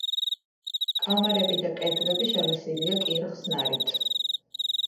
კამარები და კედლები შელესილია კირხსნარით.